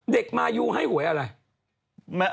เด็กมายูให้หวยอะไร